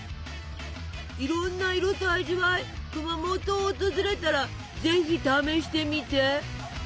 いろんな色と味わい熊本を訪れたらぜひ試してみて。